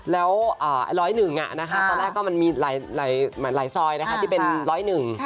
แล้วร้อยหนึ่งตอนแรกก็มีหลายซอยที่เป็นร้อยหนึ่ง